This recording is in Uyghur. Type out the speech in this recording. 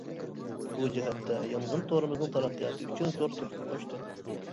بۇ جەھەتتە يانغىن تورىمىزنىڭ تەرەققىياتى ئۈچۈن زور تۆھپە قوشتى.